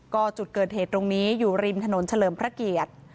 ก็จุดเกิดเหตุตรงนี้อยู่ริมถนนเฉลิมพระเกียรติ